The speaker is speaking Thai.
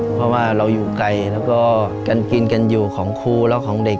เพราะว่าเราอยู่ไกลแล้วก็กันกินกันอยู่ของครูและของเด็ก